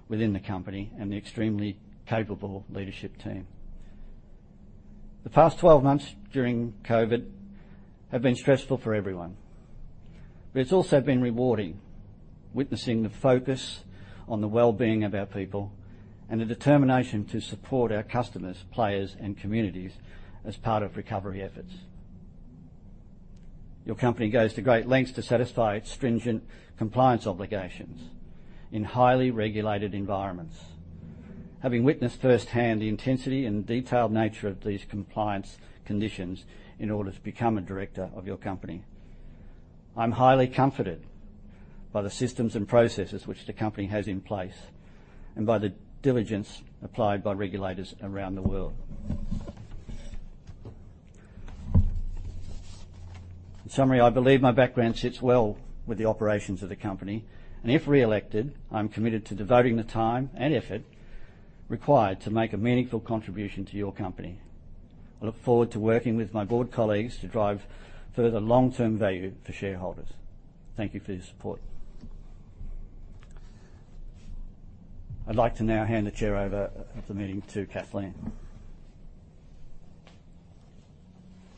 within the company and the extremely capable leadership team. The past 12 months during COVID have been stressful for everyone, but it has also been rewarding witnessing the focus on the well-being of our people and the determination to support our customers, players, and communities as part of recovery efforts. Your company goes to great lengths to satisfy its stringent compliance obligations in highly regulated environments, having witnessed firsthand the intensity and detailed nature of these compliance conditions in order to become a director of your company. I'm highly comforted by the systems and processes which the company has in place and by the diligence applied by regulators around the world. In summary, I believe my background sits well with the operations of the company, and if re-elected, I'm committed to devoting the time and effort required to make a meaningful contribution to your company. I look forward to working with my board colleagues to drive further long-term value for shareholders. Thank you for your support. I'd like to now hand the chair over of the meeting to Kathleen.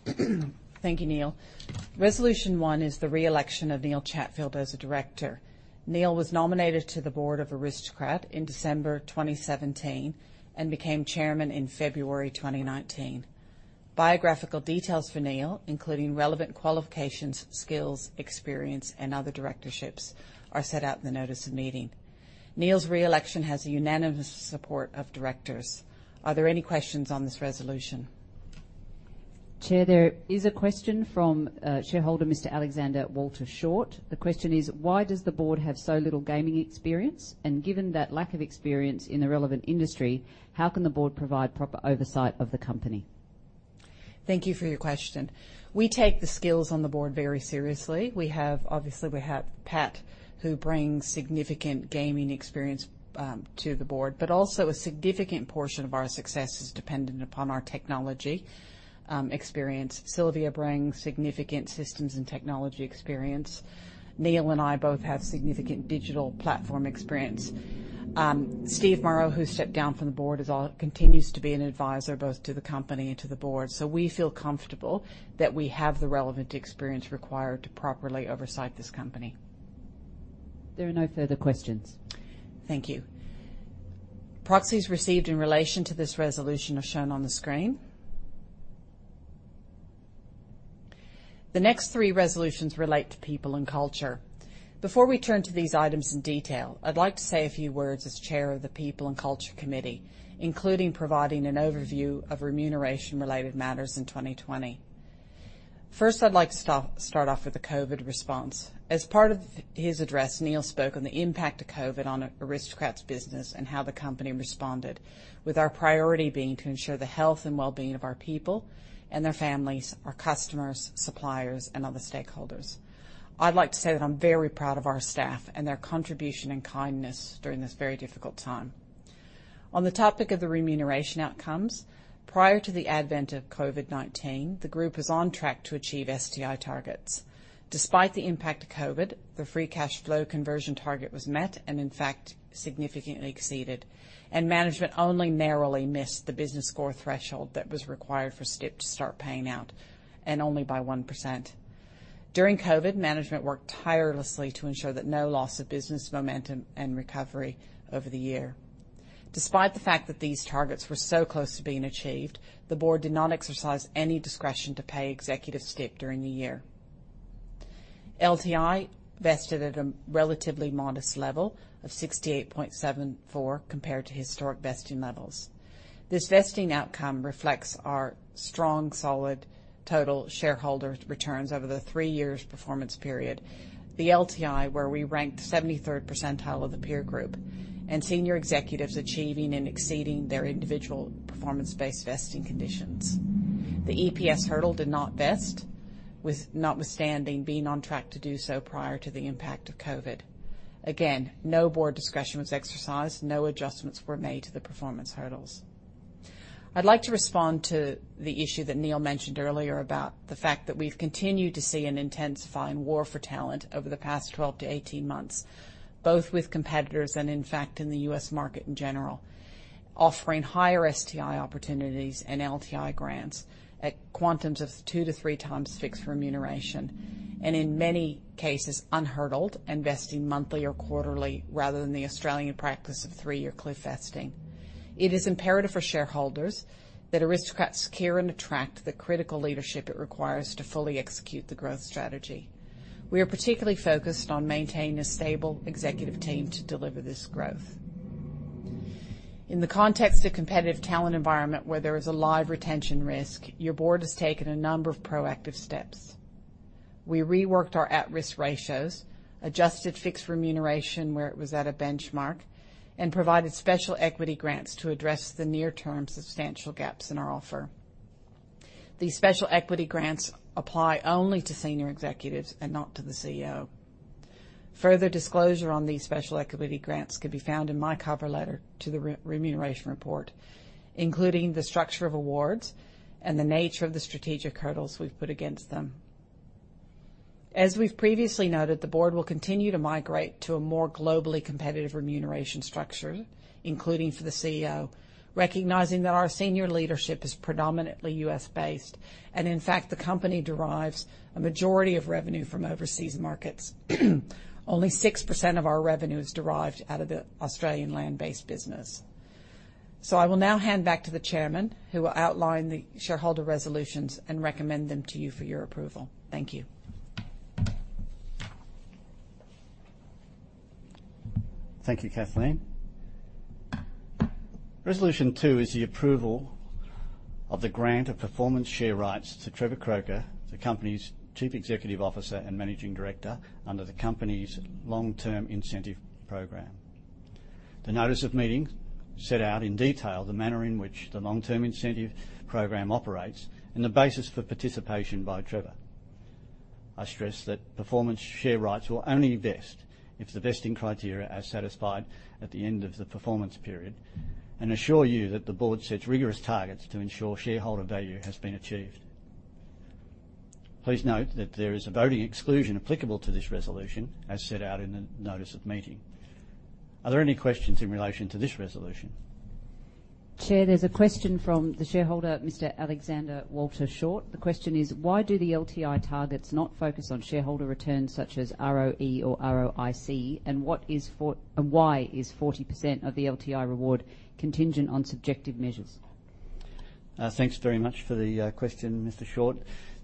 Thank you, Neil. Resolution one is the re-election of Neil Chatfield as a director. Neil was nominated to the board of Aristocrat in December 2017 and became Chairman in February 2019. Biographical details for Neil, including relevant qualifications, skills, experience, and other directorships, are set out in the notice of meeting. Neil's re-election has unanimous support of directors. Are there any questions on this resolution? Chair, there is a question from shareholder Mr. Alexander Walter Short. The question is, "Why does the board have so little gaming experience? And given that lack of experience in the relevant industry, how can the board provide proper oversight of the company?" Thank you for your question. We take the skills on the board very seriously. Obviously, we have Pat, who brings significant gaming experience to the board, but also a significant portion of our success is dependent upon our technology experience. Sylvia brings significant systems and technology experience. Neil and I both have significant digital platform experience. Steve Morro, who stepped down from the board, continues to be an advisor both to the company and to the board. We feel comfortable that we have the relevant experience required to properly oversight this company. There are no further questions. Thank you. Proxies received in relation to this resolution are shown on the screen. The next three resolutions relate to people and culture. Before we turn to these items in detail, I'd like to say a few words as Chair of the People and Culture Committee, including providing an overview of remuneration-related matters in 2020. First, I'd like to start off with the COVID response. As part of his address, Neil spoke on the impact of COVID on Aristocrat's business and how the company responded, with our priority being to ensure the health and well-being of our people and their families, our customers, suppliers, and other stakeholders. I'd like to say that I'm very proud of our staff and their contribution and kindness during this very difficult time. On the topic of the remuneration outcomes, prior to the advent of COVID-19, the group was on track to achieve STI targets. Despite the impact of COVID, the free cash flow conversion target was met and, in fact, significantly exceeded, and management only narrowly missed the business score threshold that was required for STIP to start paying out, and only by 1%. During COVID, management worked tirelessly to ensure that no loss of business momentum and recovery over the year. Despite the fact that these targets were so close to being achieved, the board did not exercise any discretion to pay executive STIP during the year. LTI vested at a relatively modest level of 68.74% compared to historic vesting levels. This vesting outcome reflects our strong, solid total shareholder returns over the three-year performance period, the LTI, where we ranked 73rd percentile of the peer group, and senior executives achieving and exceeding their individual performance-based vesting conditions. The EPS hurdle did not vest, notwithstanding being on track to do so prior to the impact of COVID. Again, no board discretion was exercised. No adjustments were made to the performance hurdles. I'd like to respond to the issue that Neil mentioned earlier about the fact that we've continued to see an intensifying war for talent over the past 12 to 18 months, both with competitors and, in fact, in the U.S. market in general, offering higher STI opportunities and LTI grants at quantums of 2x-3x fixed remuneration, and in many cases unhurdled and vesting monthly or quarterly rather than the Australian practice of three-year cliff vesting. It is imperative for shareholders that Aristocrat secure and attract the critical leadership it requires to fully execute the growth strategy. We are particularly focused on maintaining a stable executive team to deliver this growth. In the context of a competitive talent environment where there is a live retention risk, your board has taken a number of proactive steps. We reworked our at-risk ratios, adjusted fixed remuneration where it was at a benchmark, and provided special equity grants to address the near-term substantial gaps in our offer. These special equity grants apply only to senior executives and not to the CEO. Further disclosure on these special equity grants can be found in my cover letter to the remuneration report, including the structure of awards and the nature of the strategic hurdles we've put against them. As we've previously noted, the board will continue to migrate to a more globally competitive remuneration structure, including for the CEO, recognizing that our senior leadership is predominantly U.S.-based and, in fact, the company derives a majority of revenue from overseas markets. Only 6% of our revenue is derived out of the Australian land-based business. I will now hand back to the Chairman, who will outline the shareholder resolutions and recommend them to you for your approval. Thank you. Thank you, Kathleen. Resolution two is the approval of the grant of performance share rights to Trevor Croker, the company's Chief Executive Officer and Managing Director under the company's Long-Term Incentive Program. The notice of meeting set out in detail the manner in which the Long-Term Incentive Program operates and the basis for participation by Trevor. I stress that performance share rights will only vest if the vesting criteria are satisfied at the end of the performance period and assure you that the board sets rigorous targets to ensure shareholder value has been achieved. Please note that there is a voting exclusion applicable to this resolution, as set out in the notice of meeting. Are there any questions in relation to this resolution? Chair, there's a question from the shareholder, Mr. Alexander Walter Short. The question is, "Why do the LTI targets not focus on shareholder returns such as ROE or ROIC, and why is 40% of the LTI reward contingent on subjective measures?" Thanks very much for the question, Mr. Short.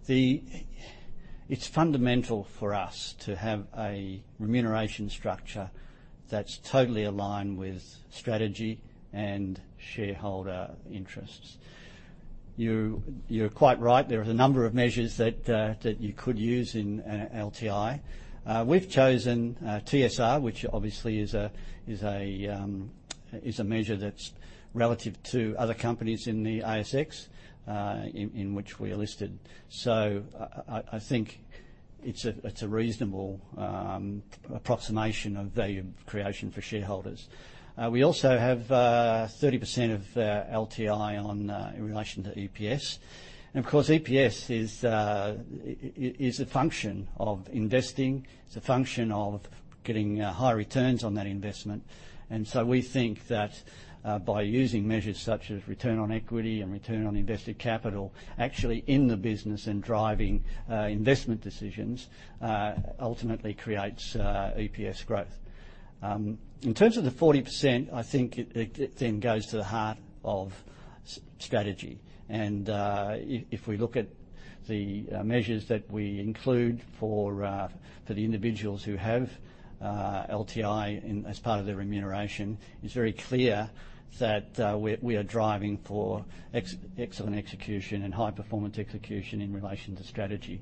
It's fundamental for us to have a remuneration structure that's totally aligned with strategy and shareholder interests. You're quite right. There are a number of measures that you could use in LTI. We've chosen TSR, which obviously is a measure that's relative to other companies in the ASX in which we are listed. I think it's a reasonable approximation of value creation for shareholders. We also have 30% of LTI in relation to EPS. Of course, EPS is a function of investing. It's a function of getting high returns on that investment. We think that by using measures such as return on equity and return on invested capital, actually in the business and driving investment decisions, ultimately creates EPS growth. In terms of the 40%, I think it then goes to the heart of strategy. If we look at the measures that we include for the individuals who have LTI as part of their remuneration, it's very clear that we are driving for excellent execution and high-performance execution in relation to strategy.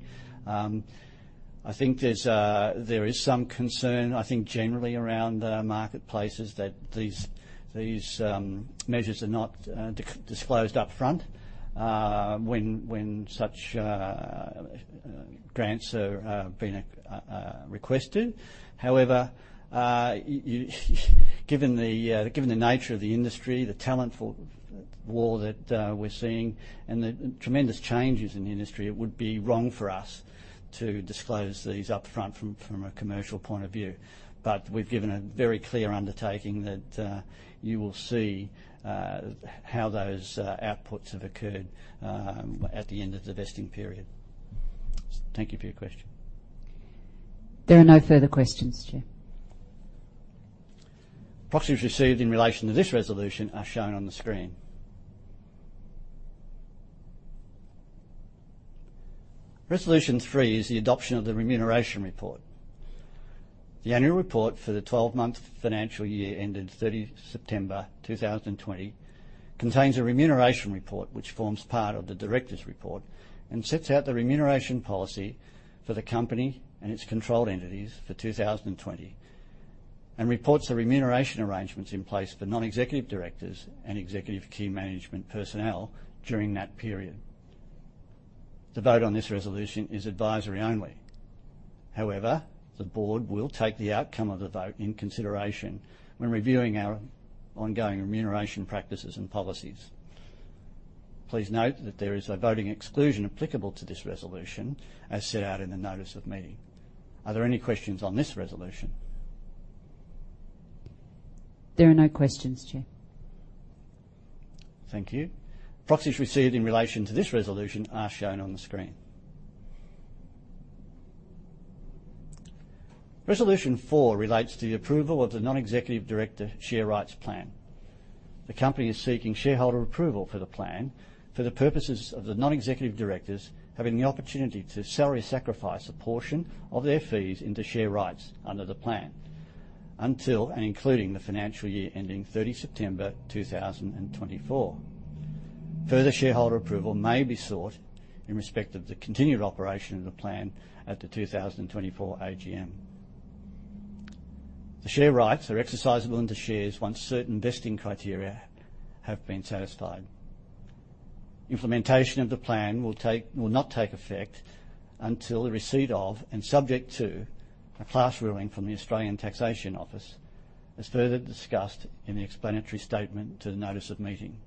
I think there is some concern, I think generally around marketplaces, that these measures are not disclosed upfront when such grants have been requested. However, given the nature of the industry, the talent war that we're seeing, and the tremendous changes in the industry, it would be wrong for us to disclose these upfront from a commercial point of view. We have given a very clear undertaking that you will see how those outputs have occurred at the end of the vesting period. Thank you for your question. There are no further questions, Chair. Proxies received in relation to this resolution are shown on the screen. Resolution three is the adoption of the remuneration report. The Annual Report for the 12-month financial year ended 30 September 2020 contains a remuneration report which forms part of the Directors' Report and sets out the remuneration policy for the company and its controlled entities for 2020 and reports the remuneration arrangements in place for non-executive directors and executive key management personnel during that period. The vote on this resolution is advisory only. However, the board will take the outcome of the vote into consideration when reviewing our ongoing remuneration practices and policies. Please note that there is a voting exclusion applicable to this resolution as set out in the notice of meeting. Are there any questions on this resolution? There are no questions, Chair. Thank you. Proxies received in relation to this resolution are shown on the screen. Resolution four relates to the approval of the Non-Executive Director Share Rights Plan. The company is seeking shareholder approval for the plan for the purposes of the non-executive directors having the opportunity to salary sacrifice a portion of their fees into share rights under the plan until and including the financial year ending 30 September 2024. Further shareholder approval may be sought in respect of the continued operation of the plan at the 2024 AGM. The share rights are exercisable into shares once certain vesting criteria have been satisfied. Implementation of the plan will not take effect until the receipt of and subject to a class ruling from the Australian Taxation Office, as further discussed in the explanatory statement to the notice of meeting.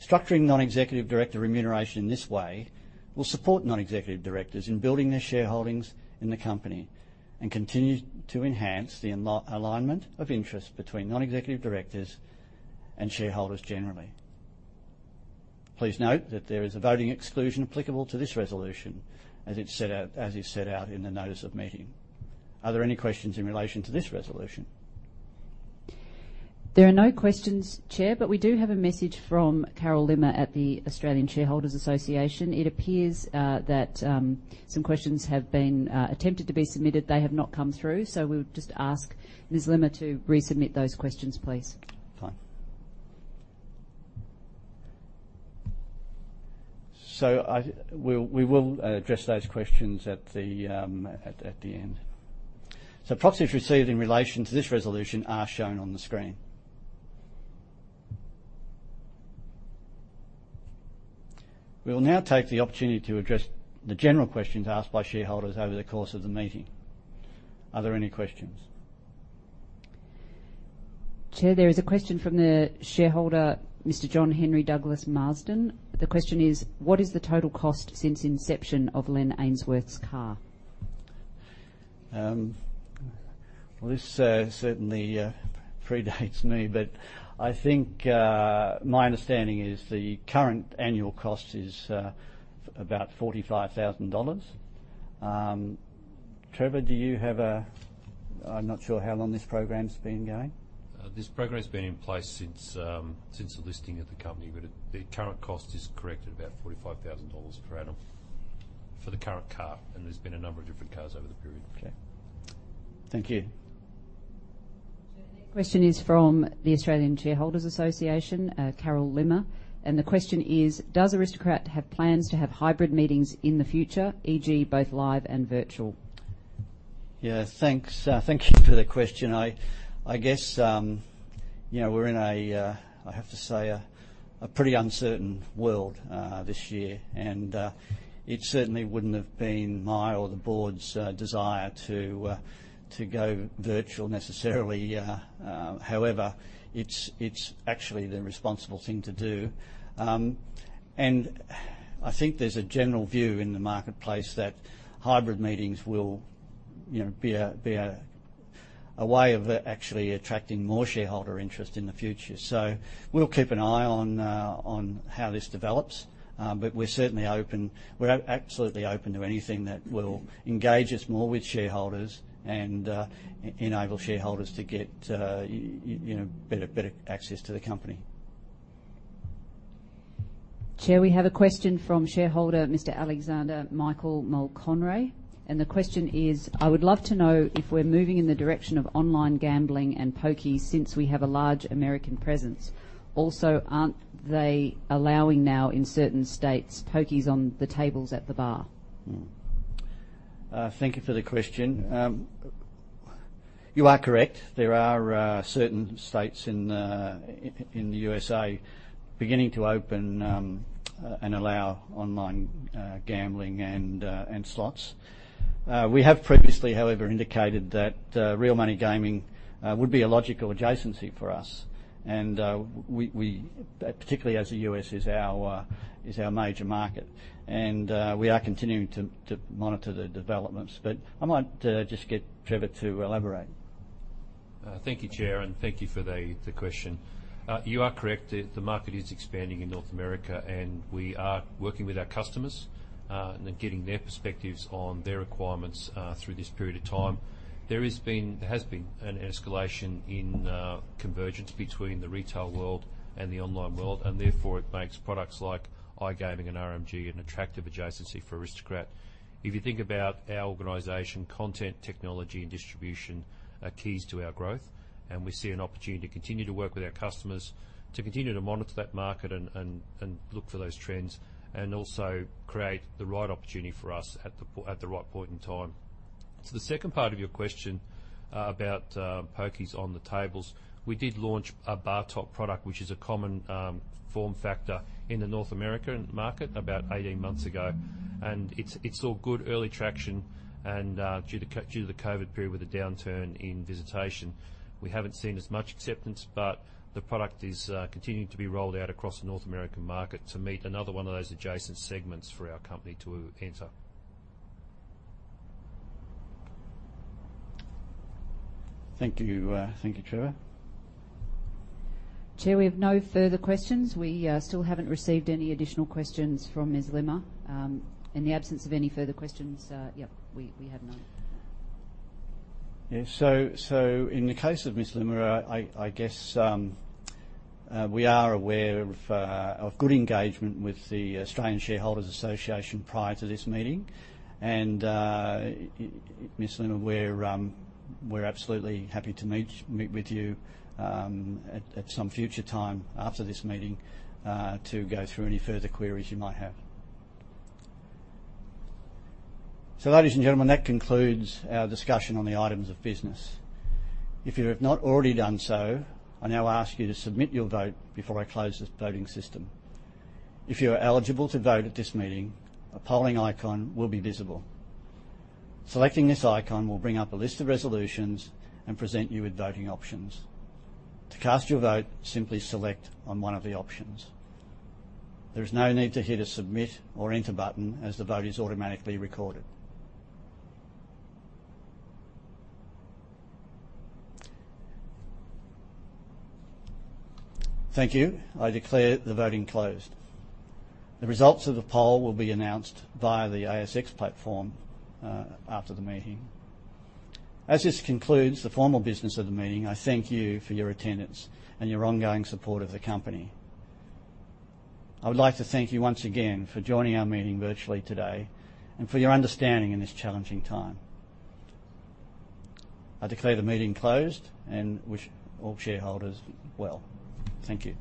Structuring non-executive director remuneration in this way will support non-executive directors in building their shareholdings in the company and continue to enhance the alignment of interest between non-executive directors and shareholders generally. Please note that there is a voting exclusion applicable to this resolution, as it is set out in the notice of meeting. Are there any questions in relation to this resolution? There are no questions, Chair, but we do have a message from Carol Limmer at the Australian Shareholders Association. It appears that some questions have been attempted to be submitted. They have not come through. We would just ask Ms. Limmer to resubmit those questions, please. Fine. We will address those questions at the end. Proxies received in relation to this resolution are shown on the screen. We will now take the opportunity to address the general questions asked by shareholders over the course of the meeting. Are there any questions? Chair, there is a question from the shareholder, Mr. John Henry Douglas Marsden. The question is, "What is the total cost since inception of Len Ainsworth's car?" This certainly predates me, but I think my understanding is the current annual cost is about 45,000 dollars. Trevor, do you have a—I am not sure how long this program's been going. This program's been in place since the listing of the company, but the current cost is correct at about 45,000 dollars per annum for the current car. There have been a number of different cars over the period. Okay. Thank you. The question is from the Australian Shareholders Association, Carol Limmer. The question is, "Does Aristocrat have plans to have hybrid meetings in the future, e.g., both live and virtual?" Yeah. Thanks. Thank you for the question. I guess we are in a, I have to say, a pretty uncertain world this year. It certainly would not have been my or the board's desire to go virtual necessarily. However, it's actually the responsible thing to do. I think there's a general view in the marketplace that hybrid meetings will be a way of actually attracting more shareholder interest in the future. We will keep an eye on how this develops, but we're certainly open—we're absolutely open to anything that will engage us more with shareholders and enable shareholders to get better access to the company. Chair, we have a question from shareholder, Mr. Alexander Michael Mulconray. The question is, "I would love to know if we're moving in the direction of online gambling and pokie since we have a large American presence. Also, aren't they allowing now in certain states pokies on the tables at the bar?" Thank you for the question. You are correct. There are certain states in the U.S.A. beginning to open and allow online gambling and slots. We have previously, however, indicated that real money gaming would be a logical adjacency for us, particularly as the U.S. is our major market. We are continuing to monitor the developments. I might just get Trevor to elaborate. Thank you, Chair, and thank you for the question. You are correct. The market is expanding in North America, and we are working with our customers and getting their perspectives on their requirements through this period of time. There has been an escalation in convergence between the retail world and the online world, and therefore it makes products like iGaming and RMG an attractive adjacency for Aristocrat. If you think about our organization, content, technology, and distribution are keys to our growth, and we see an opportunity to continue to work with our customers, to continue to monitor that market and look for those trends, and also create the right opportunity for us at the right point in time. To the second part of your question about pokies on the tables, we did launch a bar top product, which is a common form factor in the North American market about 18 months ago. It saw good early traction due to the COVID period with a downturn in visitation. We have not seen as much acceptance, but the product is continuing to be rolled out across the North American market to meet another one of those adjacent segments for our company to enter. Thank you. Thank you, Trevor. Chair, we have no further questions. We still haven't received any additional questions from Ms. Limmer. In the absence of any further questions, yep, we have none. Yeah. In the case of Ms. Limmer, I guess we are aware of good engagement with the Australian Shareholders Association prior to this meeting. Ms. Limmer, we're absolutely happy to meet with you at some future time after this meeting to go through any further queries you might have. Ladies and gentlemen, that concludes our discussion on the items of business. If you have not already done so, I now ask you to submit your vote before I close this voting system. If you are eligible to vote at this meeting, a polling icon will be visible. Selecting this icon will bring up a list of resolutions and present you with voting options. To cast your vote, simply select on one of the options. There is no need to hit a submit or enter button as the vote is automatically recorded. Thank you. I declare the voting closed. The results of the poll will be announced via the ASX platform after the meeting. As this concludes the formal business of the meeting, I thank you for your attendance and your ongoing support of the company. I would like to thank you once again for joining our meeting virtually today and for your understanding in this challenging time. I declare the meeting closed and wish all shareholders well. Thank you.